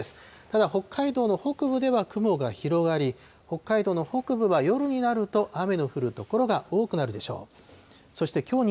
ただ北海道の北部では雲が広がり、北海道の北部は夜になると雨の降る所が多くなるでしょう。